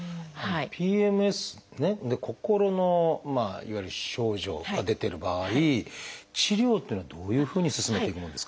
ＰＭＳでね心のいわゆる症状が出てる場合治療っていうのはどういうふうに進めていくものですか？